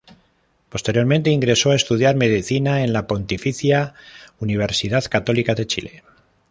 Posteriormente ingresó a estudiar Medicina en la Pontificia Universidad Católica de Chile.